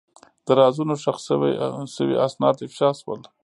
د رازونو ښخ شوي اسناد افشا شول.